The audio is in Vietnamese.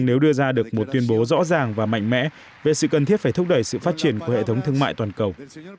nếu đưa ra được một tuyên bố rõ ràng và mạnh mẽ về sự cần thiết phải thúc đẩy sự phát triển của hệ thống thương mại toàn cầu